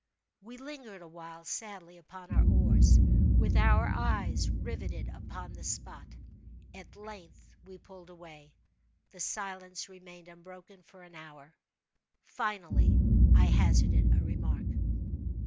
We lingered awhile sadly upon our oars, with our eyes riveted upon the spot. At length we pulled away. The silence remained unbroken for an hour. Finally, I hazarded a remark.